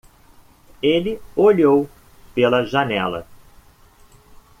Ele olhou pela janela.